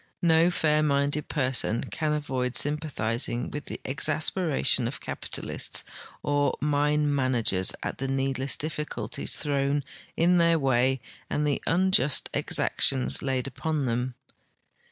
No fair minded })erson can aA'oid symj)atbizing with the exasperation of capitalists or mine man agers at the needless difliculties thrown in their Avay and the unjust exactions laid upon them.